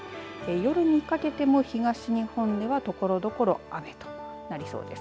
夜にかけても東日本ではところどころ雨となりそうです。